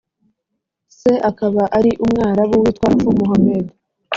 se akaba ari umwarabu witwa Affu Mohamed